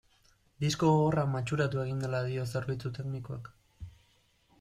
Disko gogorra matxuratu egin dela dio zerbitzu teknikoak.